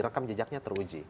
rekam jejaknya teruji